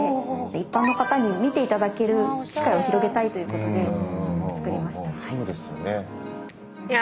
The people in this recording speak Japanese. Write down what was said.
一般の方に見てもらえる機会を広げたいということで造りました。